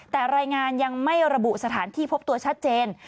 แต่รายงานยังไม่ระบุสถานที่พบตัวชัดเจน